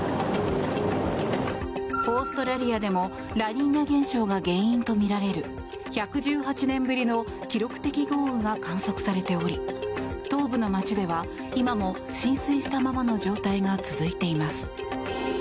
オーストラリアでもラニーニャ現象が原因とみられる１１８年ぶりの記録的豪雨が観測されており、東部の街では今も浸水したままの状態が続いています。